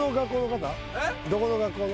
どこの学校の？